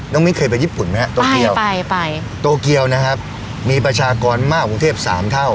มิ้นเคยไปญี่ปุ่นไหมฮะโตเกียวไปไปโตเกียวนะครับมีประชากรมากกรุงเทพสามเท่า